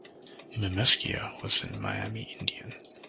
Memeskia was an Miami Indian.